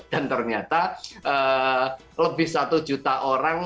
dan ternyata lebih satu juta orang